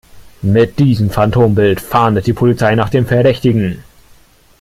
Mit diesem Phantombild fahndet die Polizei nach dem Verdächtigen.